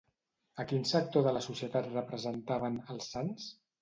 A quin sector de la societat representaven, els sants?